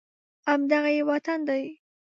همدغه یې وطن دی